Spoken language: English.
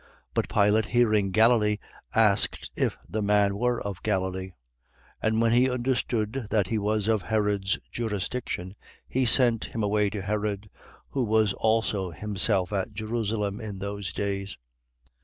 23:6. But Pilate hearing Galilee, asked if the man were of Galilee? 23:7. And when he understood that he was of Herod's jurisdiction, he sent him away to Herod, who was also himself at Jerusalem in those days.